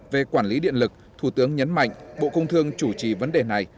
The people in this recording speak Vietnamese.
về quản lý điện lực thủ tướng nhấn mạnh bộ công thương chủ trì vấn đề này